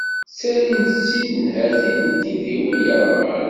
Ttalint-tt-id nnhati n tidiwin yerɣan.